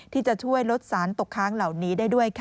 ที่จะช่วยลดสารพิษตกค้างเหล่านี้